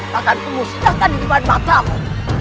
makan ku musnahkan di depan matamu